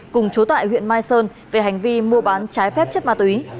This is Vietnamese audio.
cùng chú tại huyện mai sơn về hành vi mua bán trái phép chất ma túy